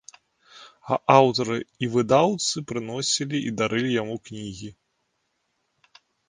А аўтары і выдаўцы прыносілі і дарылі яму кнігі.